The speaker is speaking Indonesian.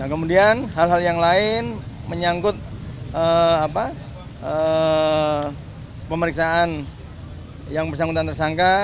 kemudian hal hal yang lain menyangkut pemeriksaan yang bersangkutan tersangka